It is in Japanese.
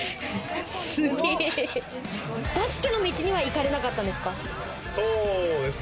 バスケの道には行かれなかったんですか？